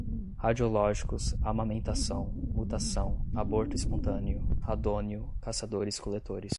radiológicos, amamentação, mutação, aborto espontâneo, radônio, caçadores-coletores